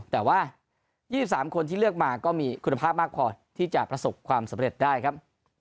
แต่ว่า๒๓คนที่เลือกมาก็มีคุณภาพมากพอที่จะประสบความสำเร็จได้ครับ